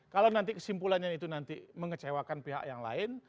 kalau nanti kesimpulannya itu nanti mengecewakan pihak yang lain